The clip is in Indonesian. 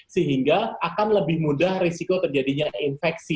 sehingga akan lebih mudah risiko terjadinya infeksi